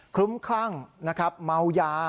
ลุ้มคลั่งนะครับเมายา